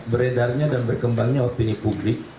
beredarnya dan berkembangnya opini publik